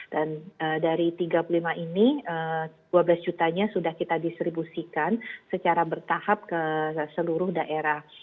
dari tiga puluh lima ini dua belas jutanya sudah kita distribusikan secara bertahap ke seluruh daerah